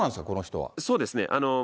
このそうですね。